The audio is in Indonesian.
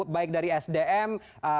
baik dari sdm